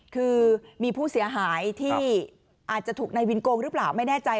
คือมีผู้เสียหายที่อาจจะถูกนายวินโกงหรือเปล่าไม่แน่ใจ